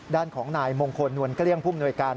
ด้านของนายมงคลนวลเกลี้ยงผู้มนวยการ